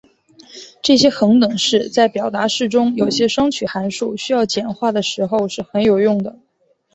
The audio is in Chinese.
这些恒等式在表达式中有些双曲函数需要简化的时候是很有用的。